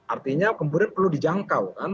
artinya kemudian perlu dijangkau kan